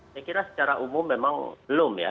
saya kira secara umum memang belum ya